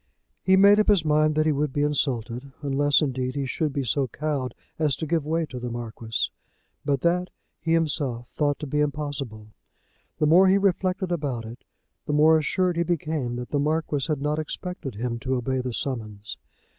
He made up his mind that he would be insulted, unless indeed he should be so cowed as to give way to the Marquis. But, that he himself thought to be impossible. The more he reflected about it, the more assured he became that the Marquis had not expected him to obey the summons.